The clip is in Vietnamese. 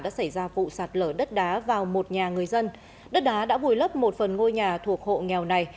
đã xảy ra vụ sạt lở đất đá vào một nhà người dân đất đá đã vùi lấp một phần ngôi nhà thuộc hộ nghèo này